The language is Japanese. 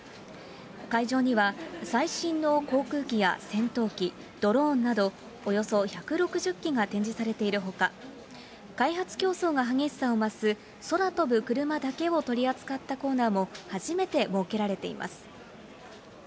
会場には、最新の航空機や戦闘機、ドローンなどおよそ１６０機が展示されているほか、開発競争が激しさを増す空飛ぶクルマだけを取り扱ったコーナーも、初めて設けられています。